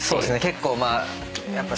結構まあやっぱ。